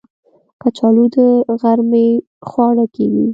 کچالو د غرمې خواړه کېږي